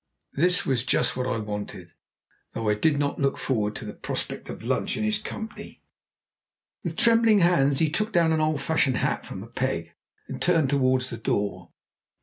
This was just what I wanted, though I did not look forward to the prospect of lunch in his company. With trembling hands he took down an old fashioned hat from a peg and turned towards the door.